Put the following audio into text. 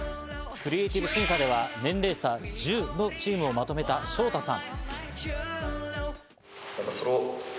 クリエイティブ審査では年齢差１０のチームをまとめたショウタさん。